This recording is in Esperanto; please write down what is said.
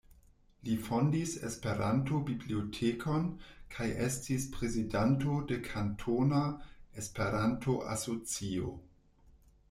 Li fondis Esperanto-bibliotekon, kaj estis prezidanto de Kantona Esperanto-Asocio.